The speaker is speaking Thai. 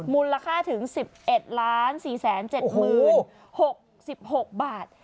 มูลละค่าถึง๑๑๔๗๖๐๐๐บาท